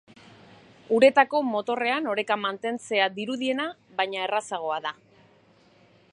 Uretako motorrean oreka mantentzea dirudiena baino errazagoa da.